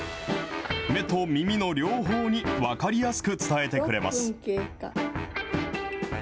目と耳の両方に分かりやすく伝えてくれます。